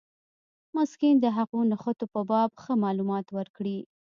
مسکین د هغو نښتو په باب ښه معلومات ورکړي.